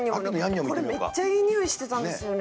めっちゃいい匂いしてたんですよね。